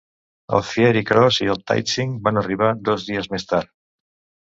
El "Fiery Cross" i el "Taitsing" van arribar dos dies més tard.